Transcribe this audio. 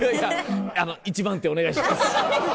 １番手お願いします。